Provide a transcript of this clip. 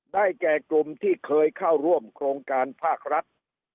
แก่กลุ่มที่เคยเข้าร่วมโครงการภาครัฐ